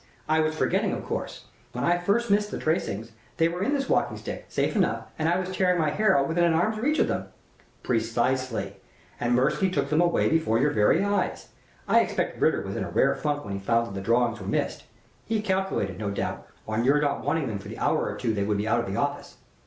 I was forgetting. Of course, when I first missed the tracings, they were in this walking stick, safe enough, and I was tearing my hair out within arm's reach of them!" "Precisely. And Mirsky took them away before your very eyes. I expect Ritter was in a rare funk when he found that the drawings were missed. He calculated, no doubt, on your not wanting them for the hour or two they would be out of the office."